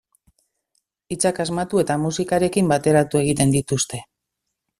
Hitzak asmatu eta musikarekin bateratu egiten dituzte.